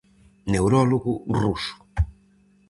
Neurólogo ruso.